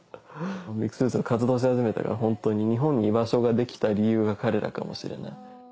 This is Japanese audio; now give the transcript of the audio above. ミックスルーツの活動をし始めてからホントに日本に居場所ができた理由が彼らかもしれない。